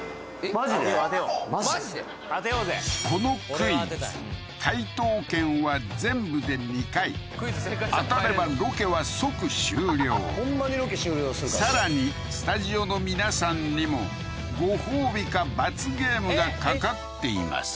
このクイズ解答権は全部で２回当たればロケは即終了ほんまにロケ終了するからこれさらにスタジオの皆さんにもご褒美か罰ゲームが懸かっています